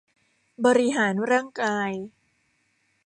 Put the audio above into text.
บริหารร่างกาย